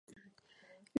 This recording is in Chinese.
软体定义广域网路。